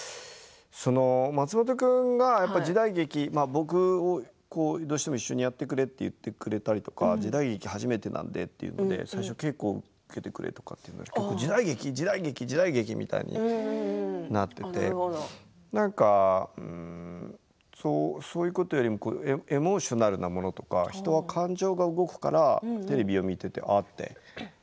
松本君が時代劇僕をどうしても一緒にやってくれと言ってくれたりとか時代劇、初めてだというので結構、時代劇、時代劇、時代劇みたいになっていてそういうことよりもエモーショナルなものとか人は感情が動くからテレビを見ててあって。